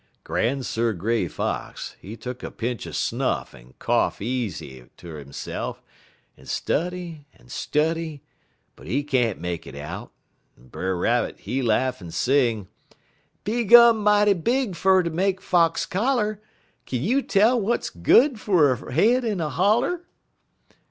_' "Gran'sir' Gray Fox, he tuck a pinch er snuff en cough easy ter hisse'f, en study en study, but he ain't make it out, en Brer Rabbit, he laugh en sing: "'_Bee gum mighty big fer ter make Fox collar, Kin you tell w'at's good fer a head in a holler?